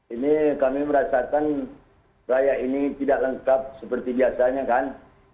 ini kami merasakan raya ini tidak lengkap seperti biasanya kan